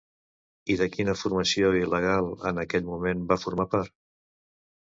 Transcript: I de quina formació, il·legal en aquell moment, va formar part?